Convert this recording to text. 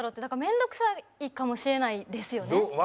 だから面倒くさいかもしれないですよね。